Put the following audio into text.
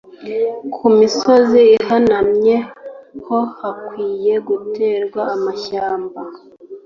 Ku misozi ihanamye ho hakwiye guterwa amashyamba